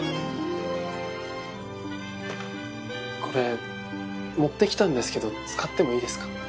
これ持ってきたんですけど使ってもいいですか？